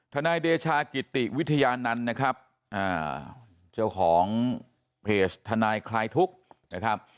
นายเดชากิติวิทยานันต์นะครับเจ้าของเพจทนายคลายทุกข์นะครับ